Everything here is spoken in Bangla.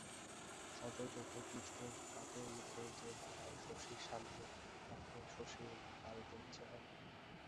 সজল চোখে ক্লিষ্ট কাতরমুখে যে দাড়ায় শশীর সামনে তাকে শশীর মারিতে ইচ্ছে হয়।